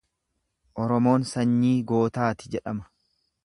Oromoon sanyii gootaati jedhama.